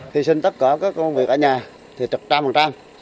thì xin tất cả các công việc ở nhà thì trực trăm bằng trăm